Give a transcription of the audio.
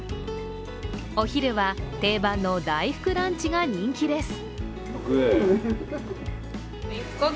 お昼は定番の大福ランチが人気です。